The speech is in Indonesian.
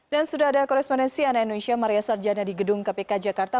dan sudah ada korespondensi anak indonesia maria sarjana di gedung kpk jakarta